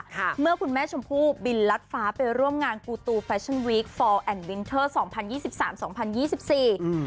เมื่อคุณแม่ชมพู่บินลัดฟ้าไปร่วมงานกูตูแฟชั่นวีคฟอร์แอนดวินเทอร์สองพันยี่สิบสามสองพันยี่สิบสี่อืม